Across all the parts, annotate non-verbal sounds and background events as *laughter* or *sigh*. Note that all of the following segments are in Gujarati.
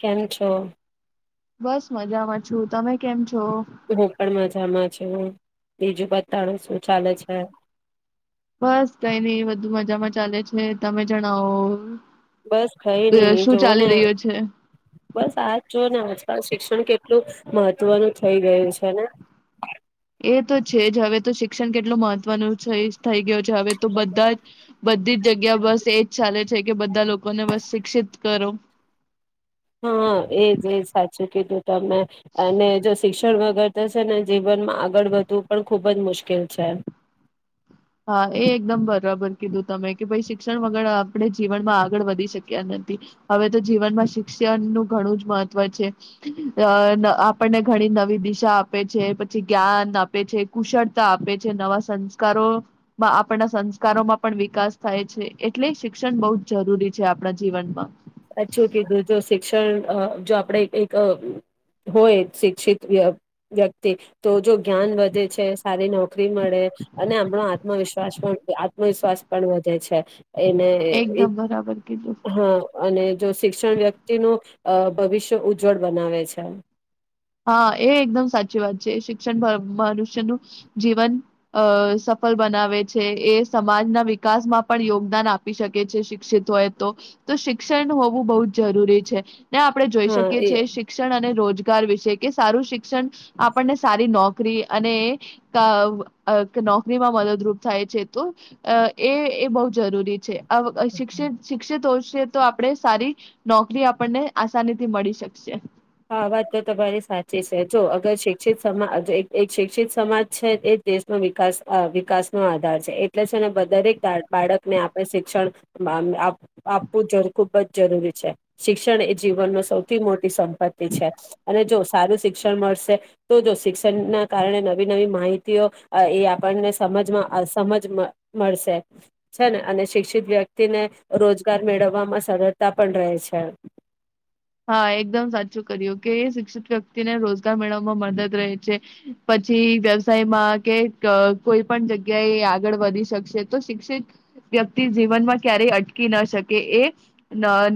કેમ છો? બસ મજામાં છું તમે કેમ છો? હું પણ મજામાં. બીજું બાત બસ કઈ નઈ બધું મજામાં. ચાલે છે તમે જણાવો. બસ કઈ નઈ એ શું જો ચાલી ને રહ્યો છે? બસ આજ જોનેજ શિક્ષણ કેટલું મહત્વનું થઈ ગયું છે ને? એ તો છે જ હવે તો શિક્ષણ કેટલું મહત્વનું થઈ ગયું છે હવે તો બધા જ, બધી જ જગ્યા બસ એજ ચાલે છે કે બધા લોકો ઓ નવ શિક્ષિત કરો. હા એજ એજ સાચું કીધું તમે, અને જો શિક્ષણ વગર તો છેને જીવનમાં આગળ વધવું પણ ખુબ જ મુશ્કેલ છે. હા એ એકદમ બરાબર કીધું તમે કે ભાઈ શિક્ષણ વગર આપણે જીવનમાં આગળ વધી શક્યા નથી, હવે તો જીવનમાં શિક્ષણનું ઘણું જ મહત્વ છે, આપણને ઘણી નવી દિશા આપે છે પછી જ્ઞાન આપે છે કુશળતા આપે છે નવા સંસ્કારો આપણા સંસ્કારોમાં પણ વિકાસ થાય છે, એટલે શિક્ષણ બહુ જ જરૂરી છે આપણા જીવનમાં. સાચું કીધું જો શિક્ષણ અ જો આપણે એક હોય શિક્ષિત વ્યક્તિ, તો જો જ્ઞાન વધે છે સારી નોકરી મળે, અને આપણો આત્મવિશ્વાસ પણ આત્મવિશ્વાસ પણ વધે છે. એને એ એકદમ બરાબર કીધું. હા. અને જો શિક્ષણ વ્યક્તિ નું ભવિષ્ય ઉજ્જવળ બનાવે છે. હા, એ એકદમ સાચી વાત છે. શિક્ષણ ભ મનુષ્યનું જીવન અ સફળ બનાવે છે. એ સમાજના વિકાસમાં પણ યોગદાન આપી શકે છે, શિક્ષિત હોય તો તો શિક્ષણ હોવું બો જ જરૂરી છે. ને આપણે જોઈ હા શકીએ એ છીએ, શિક્ષણ અને રોજ ગાર વિશ છે કે, સારું શિક્ષણ આપણને સારી નોકરી અને કા નોકરીમાં મદદરૂપ થાય છે, તો એ એ બો જરૂરી છે. અ વ શિક્ષત શિક્ષટોસ તે તો આપણે સારી નોકરી આપણને આસાનીથી મળી શકશે. હા, આ વાત તો તમારી સાચી છે. જો અગર શિક્ષિત સમાજ એક શિક્ષિત સમાજ છે, એ દેશનો વિકાસ વિકાસનો આધાર છે એટલે છે ને દરેક બાળકને આપણે શિક્ષણ આપવું ખૂબ જ જરૂરી છે. શિક્ષણ એ જીવનનો સૌથી મોટી સંખ *unintelligible* છે અને જો સારું શિક્ષણ મળશે, તો જો શિક્ષણના કારણે નવી નવી માહિતીઓ એ આપણને સમજમાં સમજ મળશે છે ને અને શિક્ષિત વ્યક્તિને રોજગાર મેળવવામાં સરળતા પણ રહે છે. હા, એકદમ સાચું કર્યું કે શિક્ષિત વ્યક્તિને રોજગાર મેળવવામાં મદદ રહે છે પછી વ્યવસાયમાં કે કોઈ પણ જગ્યાએ આગળ વધી શકશે, તો શિક્ષિત વ્યક્તિ જીવનમાં ક્યારેય અટકી ન શકે એ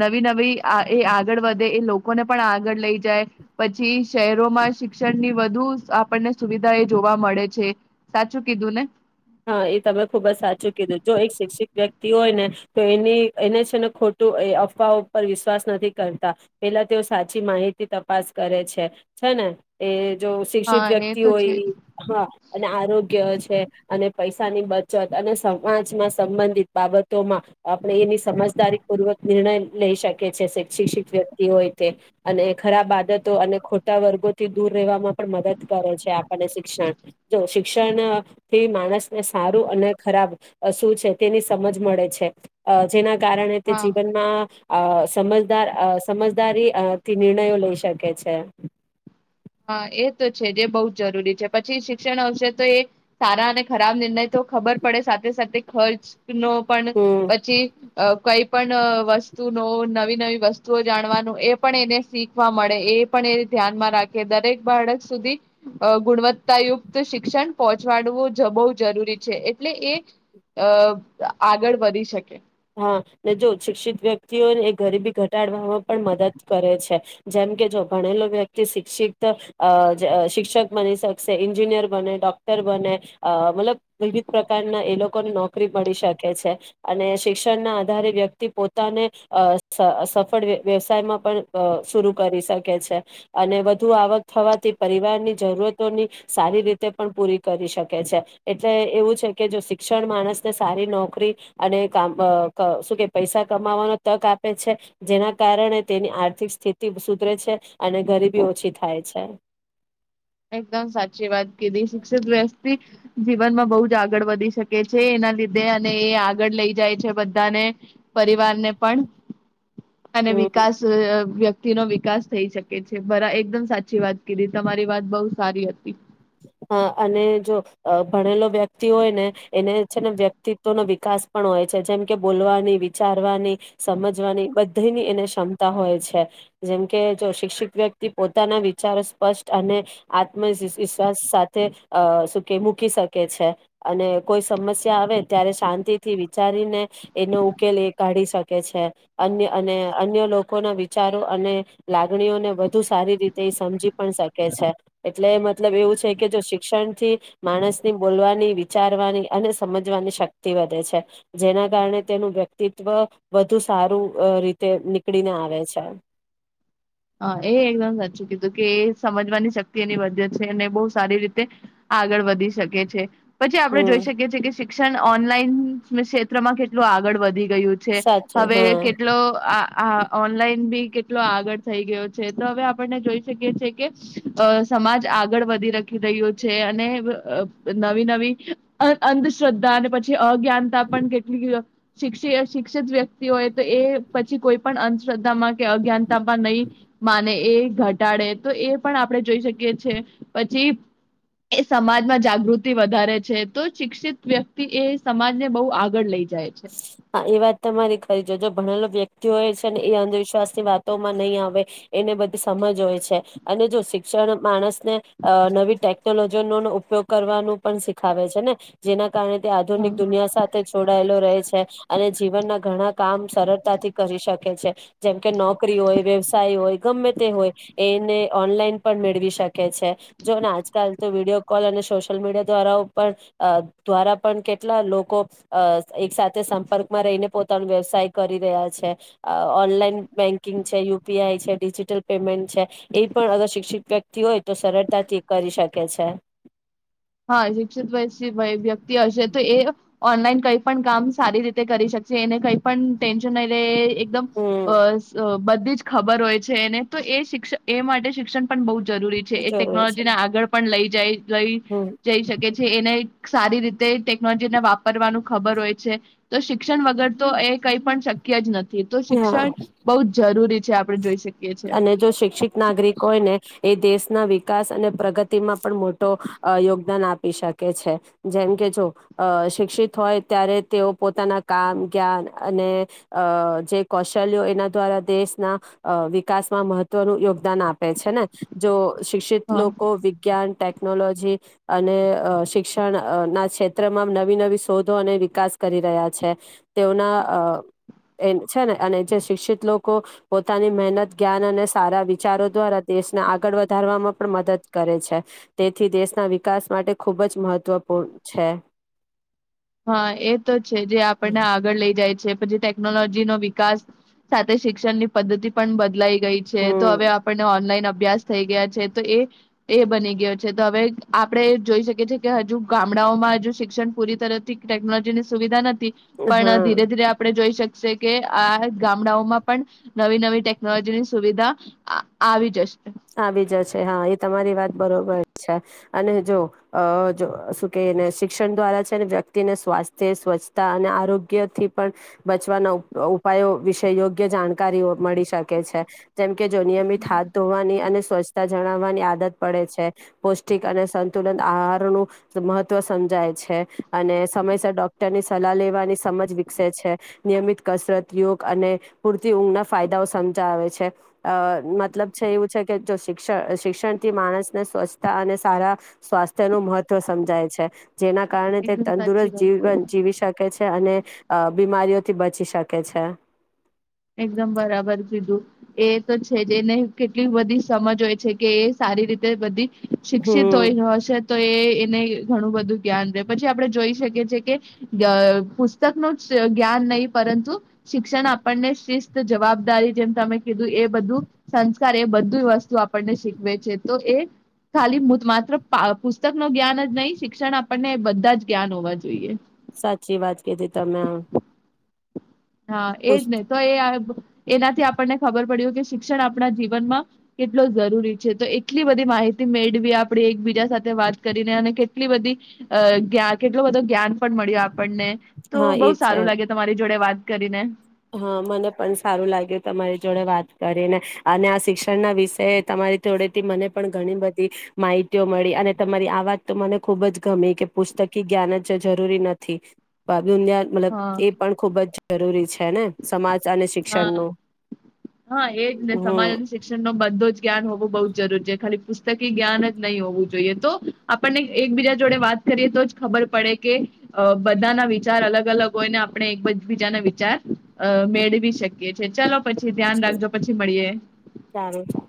નવી નવી એ આગળ વધે, એ લોકોને પણ આગળ લઈ જાય પછી શહેરોમાં શિક્ષણ ની વધુ આપણને સુવિધા એ જોવા મળે છે સાચું કીધું ને. હા, એ તમે ખુબ જ સાચું કીધું. જો એક શિક્ષિત વ્યક્તિ હોય ને તો એની એને છે ને ખોટું અફવાઓ ઉપર વિશ્વાસ નથી કરતા, પેલા તેઓ સાચી માહિતી તપાસ કરે છે છે ને. એ જો શિક્ષિત હા એ વ્યક્તિ તો હોય, છે જ હા અને આરોગ્ય જ છે. અને પૈસાની બચત અને સમાજમાં સંબંધિત બાબતોમાં આપણે એની સમજદારી પૂર્વક નિર્ણય લઈ શકીએ છે, શિક્ષિત વ્યક્તિ હોય તે અને ખરાબ આદતો અને ખોટા વર્ગોથી દૂર રહેવામાં પણ મદદ કરે છે આપણને શિક્ષણ, જો શિક્ષણ થી માણસ ને સારું અને ખરાબ અ શું છે, તેની સમજ મળે છે અ જેના કારણે તે હા જીવનમાં અ સમજદાર અ સમજદારીથી નિર્ણયો લઈ શકે છે. હા, એ તો છે જે બો જ જરૂરી છે પછી શિક્ષણ આવશે તો એ સારા અને ખરાબ નિર્ણય તો ખબર પડે સાથે સાથે ખર્ચ નો પણ હમ પછી કઈ પણ વસ્તુનો નવી-નવી વસ્તુઓ જાણવાનું એ પણ એને શીખવા મળે એ પણ એ ધ્યાનમાં રા- કે દરેક બાળક સુધી ગુણવત્તાયુક્ત શિક્ષણ પહોંચાડવું જ બો જરૂરી છે એટલે એ આગળ વધી શકે. હા, ને જો શિક્ષિત વ્યક્તિઓને એ ગરીબી ઘટાડવામાં પણ મદદ કરે છે, જેમ કે જો ભણેલો વ્યક્તિ શિક્ષિત અ શિક્ષક બની શકશે, એન્જિનિયર બને, ડોક્ટર બને મતલબ વિવિધ પ્રકારના એ લોકોને નોકરી મળી શકે છે અને શિક્ષ શિક્ષણ ના આધારે વ્યક્તિ પોતાને અ સફળ વ્યવસાયમાં પણ સુરુ કરી શકે છે અને વધુ આવક થવાથી પરિવારની જરૂરતોની સારી રીતે પણ પૂરી કરી શકે છે, એટલે એવું છે જો શિક્ષણ માણસને સારી નોકરી અને કામ અ ક શું કે પૈસા કમાવાનો તક આપે છે, જેના કારણે તેની આર્થિક સ્થિતિ સુધરે છે અને ગરીબી ઓછી થાય છે. એકદમ સાચી વાત કીધી, શિક્ષિત વ્યક્તિ જીવનમાં બો જ આગળ વધી શકે છે, એના લીધે અને એ આગળ લઈ જાય છે બધાને પરિવારને પણ. અને હમ વિકાસ અ વ્યક કી નો વિકાસ થઈ શકે છે, બરા એકદમ સાચી વાત કીધી તમારી વાત બહુ સારી હતી. હા અને જો ભણેલો વ્યક્તિ હોય ને એને છે ને વ્યક્તિત્વ નો વિકાસ પણ હોય છે. જેમ કે બોલવાની, વિચારવાની, સમજવાની બધીની એને ક્ષમતા હોય છે, જેમકે જો શિક્ષિત વ્યક્તિ પોતાના વિચારો સ્પષ્ટ અને આતમી વિશ્વાસ સાથે અ સુકે મૂકી શકે છે અને કોઈ સમસ્યા આવે ત્યારે શાંતિથી વિચારીને એનો ઉકેલ એ કાઢી શકે છે અન્ય અને અન્ય લોકોના વિચારો અને લાગણીઓને વધુ સારી રીતે એ સમજી પણ શકે છે એટલે એ મ મતલબ એવું છે કે જો શિક્ષણ થી માણસની બોલવાની વિચારવાની અને સમજવાની શક્તિ વધે છે જેના કારણે તેનું વ્યક્તિત્વ વધુ સારું રીતે નીકળીને આવે છે. હા એ એકદમ સાચું કીધું કે એ સમજવાની શક્તિ એની વદત છે અને બહુ સારી રીતે આગળ વધી શકે છે પછી આપણે હમ જોઈ શકીએ છીએ કે શિક્ષણ ઓનલાઈન ક્ષેત્રમાં કેટલું આગળ વધી ગયું છે સાચું હવે હા કેટલો આ આ ઓનલાઈન બી કેટલો આગળ થઈ ગયો છે તો હવે આપને જોઈ શકીએ છીએ કે સમાજ આગળ વધી રાખી રહ્યો છે અને નવી નવી અંધશ્રદ્ધા અને પછી અજ્ઞાનતા પણ કેટલી શિક્ષ શિક્ષિત વ્યક્તિ હોય તો એ પછી કોઈ પણ અંધશ્રદ્ધામાં અજ્ઞાનતા માં ન માને એ ઘટાડે તો એ પણ આપણે જોઈ શકીએ છે પછી એ સમાજમાં જાગૃતિ વધારે છે તો શિક્ષિત વ્યક્તિ એ સમાજને બહુ આગળ લઈ જાય છે. હા એ વાત તમારી ખરી જો જો ભણેલો વ્યક જોય છે ને એ અંધવિશ્વાસ ની વાતોમાં નહી આવે એને બધી સમજ હોય છે અને જો સી ભણ માણસ ને નવી ટેક ટેકલોજનો ઉપયોગ કરવાનું પણ શીખાવે છે ને જેના કારણે તે હા. આધુનિક દુનિયા સાથે જોડાયેલો. રહે જીવનના ઘણા કામ સરળતાથી કરી શકે છે, જેમ કે નોકરી હોય, વ્યવસાય હોય ગમે તે હોય એને ઓનલાઈન પણ મેળવી શકે છે, જોને આજકાલ તો વિડીયો કોલ અને સોશિયલ મીડિયા દ્વારા પણ દ્વારા પણ કેટલા લોકો એકસા. સંપર્કમાં રહીને પોતાનો વ્યવસાય કરી રહ્યા છે, ઓનલાઈન બેંકિંગ છે, યુપીઆઈ છે, ડિજીિટલ પેમેન્ટ છે એ પણ અગર શિક્ષિત વ્યક્તિ હોય તો સરળતાથી કરી શકે છે. હા શિક્ષિત વયસી વય- વ્યક્તિ હશે તો એ ઓનલાઈન કઈ પણ કામ સારી રીતે કરી શ જે એને કઈ પણ ટેન્શન ન લે એકદમ હમ અ બ બધી જ ખબર હોય છે એને તો એ શિક્ષ એ માટે શિક્ષણ. પણ બહુ જરૂરી છે એ જરૂર છે ટેકનોલોજીને આગળ પણ લઈ જય. લઈ. હમ જઈ શકે છે એને સારી રીતે ટેકનોલોજી ને વાપરવાનું ખબર હોય છે. તો શિક્ષણ વગર તો એ કઈ પણ. શક્ય જ ન તો હા શિક્ષણ બહુ જ જરૂરી છે આ જોઈ. શકીએ છે અને જો શિક્ષિત નાગરિક હોય ને એ દેશ. ના વિકાસ અને પ્રગતિમાં પણ મોટો યોગદાન આપી શકે છે જેમ કે જો શિક્ષિત હોય ત્યારે તેઓ પોતાના કામ જ્ઞાન અને અ જે કૌશલ્યો એના દ્વારા દેશના વિકાસ વિકાસમાં મહત્વનું યોગદાન આપે છે ને. જો શિક્ષિત હા લોકો વિજ્ઞાન ટેકનોલોજી અને અહ શિક્ષણ અહ ના ક્ષેત્રમાં નવી નવી શોધો અને વિકાસ કરી રહ્યા છે, તેઓના અહ એમ છે ને અને જે શિક્ષિત લોકો પોતાની મહેનત જ્ઞાન અને સારા વિચારો દ્વારા દેશને આગળ વધારવામાં પણ મદદ કરે છે, તેથી દેશના વિકાસ માટે ખૂબ જ મહત્વપૂર્ણ છે. હા એ તો છે જે આપણને આગળ લઈ જાય છે. પછી ટેકનોલોજી નો વિકાસ સાથે શિક્ષણ ની પદ્ધતિ પણ બદલાઈ. ગઈ છે તો હમ હવે આપણને ઓનલાઈન અભ્યાસ થઈ ગયા છે તો એ એ બની ગયો છે, તો હવે આપણે જોઈ શકીએ છીએ કે હજુ ગામડાઓમાં હજુ શિક્ષણ પૂરી તર ટેકનોલોજીની સુવિધા નથી. પણ હા ધીરે ધીરે આપણે જોઈ શકીએ છે કે આ ગામડાઓમાં પણ નવી નવી ટેકનોલોજીની સુવિધા અહ આવી જશે. આવી જશે હા એ તમારી વાત બરોબર છે, અને જો અહ જો શું કે એને શિક્ષણ દ્વારા છે ને વ્યક્તિને સ્વાસ્થ્ય, સ્વચ્છતા અને આરોગ્ય થી પણ બચવાના ઉ ઉપાયો વિશે યોગ્ય જાણકારીઓ મળી શકે છે. જેમ કે જો નિયમિત હાથ ધોવાની અને સ્વછતા જણાવવાની આદત પડે છે. પૌષ્ટિક અને સંતુલન આહાર નું મહત્વ સમજાય છે, અને સમયસર ડોક્ટરની સલાહ લેવાની સમજ વિકસે છે, નિયમિત કસરત, યોગ અને પૂરતી ઊંઘ ના ફાયદાઓ સામજાવે છે. અહ મતલબ છે એવું છે જો શિક્ષણ-શિક્ષણ થી માણસને સ્વચ્છતા અને સારા સ્વાસ્થ્ય નું મહત્વ સમજાય છે. જેના કારણે તે એકદમ સાચી તંદુરસ્ત વાત છે. જીવન જીવી શકે છે. અને બીમારીઓથી બચી શકે છે. એકદમ બરાબર કીધું, એ તો છે જેને કેટલી બધી સમજ હોય છે કે એ સારી રીતે બધી શિક્ષિત હમ હોય તો હશે. તો એ એને ઘણું બધું જ્ઞાન રહેે પછી આપણે જોઈ શકીએ છીએ કે ગ પુસ્તકનો જ જ્ઞાન નહીં પરંતુ શિક્ષણ આપ આપણને શિસ્ત, જવાબદારી જેમ તમે કીધું એ બધું સંસ્કાર એ બધી વસ્તુ આપણને શીખવે છે તો એ ખાલી પુ માત્ર પા પુસ્તકનો જ્ઞાન જ નહીં, શિક્ષણ આપણને બધા જ જ્ઞાન હોવા જોઈએ. સાચી વાત કિધી તમે આ. હા. એજ ને તો એ એનાથી આપણને ખબર પડ્યું કે શિક્ષણ આપણા જીવનમાં કેટલો જરૂરી છે, તો એટલી બધી માહિતી મેળવી આપણે એકબીજા સાથે વાત કરીને અને કેટલી બધી જ્ઞાન કેટલો બધો જ્ઞાન પણ મળ્યું આપણને, તો હા બહુ એ છે સારું લાગ્યું તમારી જોડે વાત- કરીને હા મને પણ સારું લાગ્યું તમારી જોડે વાત કરીને અને આ શિક્ષણના વિશેએ તમારી જોડેથી મને પણ ઘણી બધી માહિતીઓ મળી અને તમારી આ વાત તો મને ખુબ જ ગમી કે પુસ્તકી જ્ઞાન જે જરૂરી નથી. બ દુનિયા જ મતલબ હા એ પણ ખુબ જ જરૂરી છે. છે, ને સમાજ અને શિક્ષણ હા નું હા એજ ને સમાજ અને શિક્ષણ નો બધો જ જ્ઞાન હોવું બહુ જરૂર છે ખાલી પુસ કી જ્ઞાન જ નહી હોવું જોઈએ તો આપણને એકબીજા જોડે વાત કરીએ તો જ ખબર પડે કે અહ બધાના વિચાર અલગ અલગ હોયને આપણે એક બીજાના વિચાર અહ મેળવી શકીએ છીએ. ચાલો પછી. છી ધ્યાન ચાલો રાખજો, પછી મળીએ. સારું ચાલો